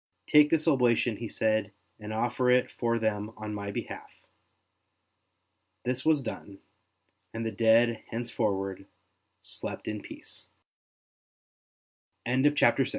*' Take this oblation,'' he said, '' and offer it for them on my behalf." This was done; and the dead henceforward slept in pea